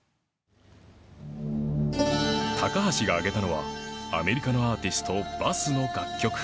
高橋が挙げたのはアメリカのアーティスト ＶＡＳ の楽曲